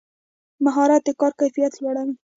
مهارت د کار کیفیت لوړوي